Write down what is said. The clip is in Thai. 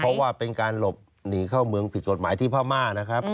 เพราะว่าเป็นการหลบหนีเข้าเมืองผิดกฎหมายที่พม่านะครับ